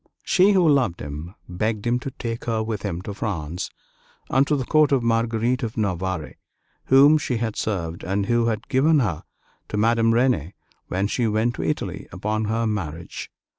She, who loved him, begged him to take her with him to France and to the court of Marguerite of Navarre, whom she had served, and who had given her to Madame Renée when she went to Italy upon her marriage.